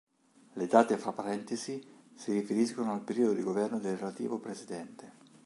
Le date fra parentesi si riferiscono al periodo di governo del relativo presidente.